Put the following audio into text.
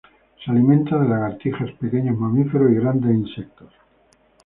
Se alimenta de lagartijas, pequeños mamíferos y grandes insectos.